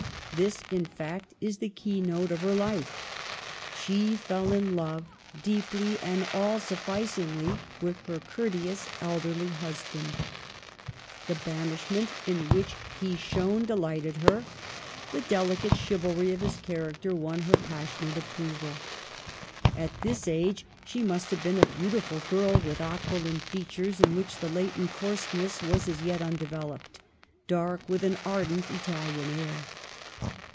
This, in fact, is the key note of her life. She fell in love, deeply and all sufficingly, with her courteous, elderly husband : the banish ment in which he shone delighted her; the deli cate chivalry of his character won her passionate approval. At this age she must have been a beautiful girl, with aquiline features, in which the latent coarseness was as yet undeveloped, dark, with an ardent Italian air.